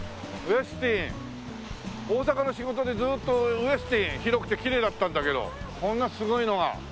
大阪の仕事でずっとウェスティン広くてきれいだったんだけどこんなすごいのが。